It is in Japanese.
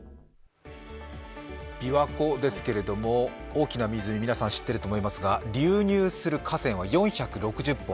びわ湖ですけれども、大きな湖、皆さん知っていると思いますが流入する河川は４６０本。